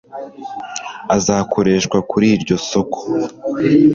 azakoreshwa kuri iryo soko